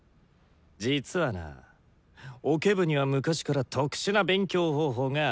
実はなオケ部には昔から特殊な勉強方法があるんだ。